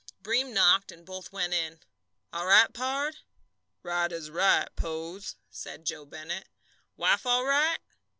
Breem knocked, and both went in. "All right, pard?" "Right as right, Pose," said Joe Bennett. "Wife all right?"